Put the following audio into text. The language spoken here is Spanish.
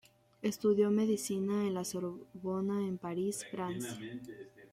Estudió medicina en La Sorbona en París, Francia.